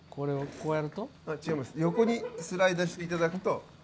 横にスライドしていただくと。